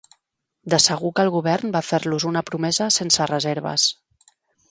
De segur que el govern va fer-los una promesa sense reserves.